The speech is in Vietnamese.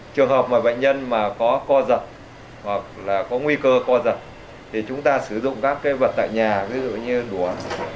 trường hợp mà bệnh nhân mà có co giật hoặc là có nguy cơ co giật thì chúng ta sử dụng các cái vật tại nhà ví dụ như đùa